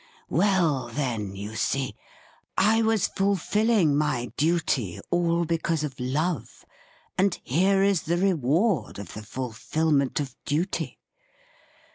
' Well, then, you see, I was fulfilling my duty all be cause of love, and here is the reward of the fulfilment of duty